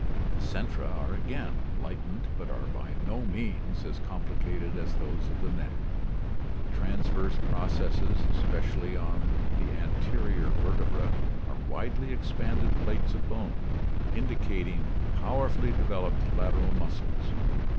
The centra are again lightened but are by no means as complicated as those of the neck. The transverse processes, especially on the anterior vertebrae, are widely expanded plates of bone, indicating powerfully developed lateral muscles.